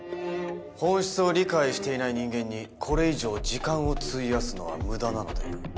本質を理解していない人間にこれ以上時間を費やすのは無駄なので。